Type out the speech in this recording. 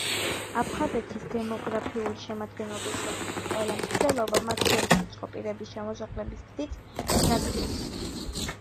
აფხაზეთის დემოგრაფიული შემადგენლობის შეცვლის ყველა მცდელობა, მათ შორის უცხო პირების ჩამოსახლების გზით, დაგმეს.